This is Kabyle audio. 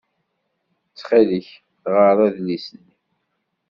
Ttxil-k, ɣer adlis-nni.